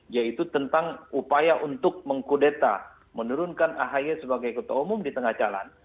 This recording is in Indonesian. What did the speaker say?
yaitu tentang upaya untuk mengkudeta menurunkan ahy sebagai ketua umum di tengah jalan